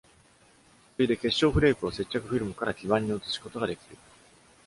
次いで、結晶フレークを接着フィルムから基板に移すことができる。